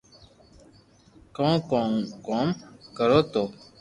ڪون ڪو ھون ڪوم ڪرو تو